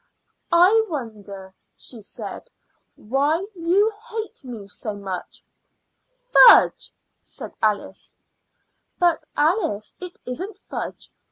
"I wonder," she said "why you hate me so much?' "Fudge!" said Alice. "But Alice, it isn't fudge.